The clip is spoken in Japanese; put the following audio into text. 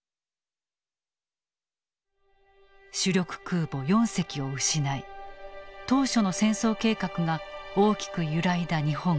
主力空母４隻を失い当初の戦争計画が大きく揺らいだ日本軍。